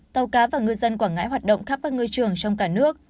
tàu cá và ngư dân quảng ngãi hoạt động khắp các ngư trường trong cả nước